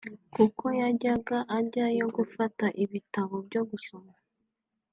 kuko yajyaga ajyayo gufata ibitabo byo gusoma